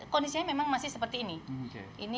kondisinya memang masih seperti ini